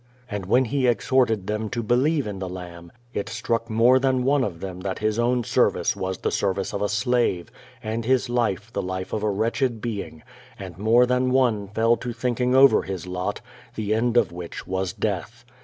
And when he exhorted them to believe in the Lamb, it struck more than one of them that his own service was the service of a slave, and his life the life of a wretched being,, and more than one fell to thinking over his lot, the end of which was death.